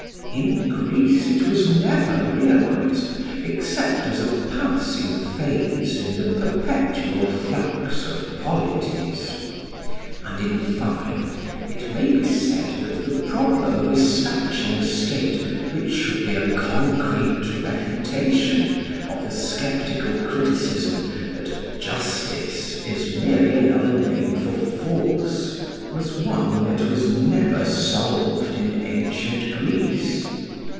In Greece it was never realised except as a passing phase in the perpetual flux of polities. And in fine it may be said that the problem of establishing a state which should be a concrete refutation of the sceptical criticism that "justice" is merely another name for force, was one that was never solved in ancient Greece.